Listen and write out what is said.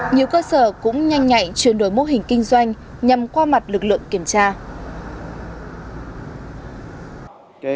nhiều cơ sở cũng nhanh nhạy chuyển đổi mô hình kinh doanh nhằm qua mặt lực lượng kiểm tra